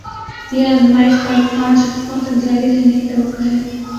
یہ آزمائش پانچ ہفتوں تک جاری رہنے کی توقع ہے